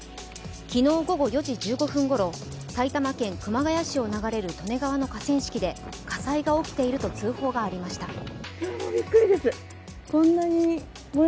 昨日午後４時１５分ごろ、埼玉県熊谷市を流れる利根川の河川敷で火災が起きていると通報がありました。